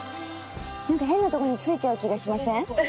何か変なとこに着いちゃう気がしません？